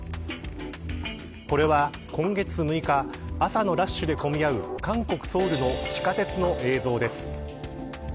これは今月６日朝のラッシュで混み合う韓国・ソウルの地下鉄の映像です。